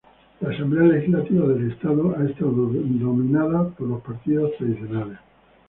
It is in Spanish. La asamblea legislativa del estado ha estado dominada por los partidos tradicionales.